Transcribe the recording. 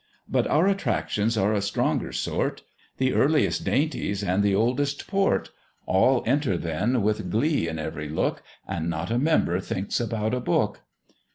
But our attractions are a stronger sort, The earliest dainties and the oldest port; All enter then with glee in every look, And not a member thinks about a book.